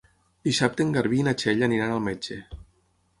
Dissabte en Garbí i na Txell aniran al metge.